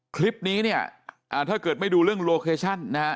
คลิปนี้เนี่ยถ้าเกิดไม่ดูเรื่องโลเคชั่นนะฮะ